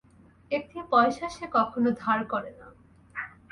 একটি পয়সা সে কখনো ধার করে না।